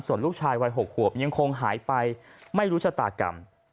ส่วนลูกชายวัย๖ขวบยังคงหายไปไม่รู้ชะตากรรม